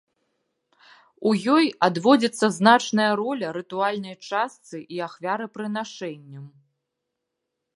У ёй адводзіцца значная роля рытуальнай частцы і ахвярапрынашэнням.